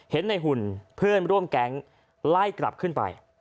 เห็นในหุ่นเพื่อนร่วมแก๊งไล่กลับขึ้นไป